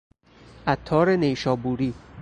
عطار نیشابوری